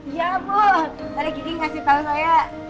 iya bos tadi kiki ngasih tau saya